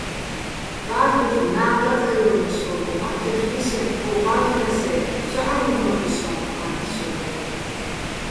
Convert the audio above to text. და́რდუხ ნა́ნ ლაწაჲოლინი̆ სო́გო, მათთეხ ჲსენო̆ ო გა́გჲნასე́ ცო ჺამოდმაკისონ-ალ'იჼ სო́გო̆.